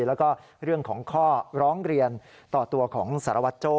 แล้วก็เรื่องของข้อร้องเรียนต่อตัวของสารวัตรโจ้